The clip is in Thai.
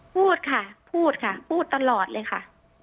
พูดค่ะพูดค่ะพูดตลอดเลยค่ะ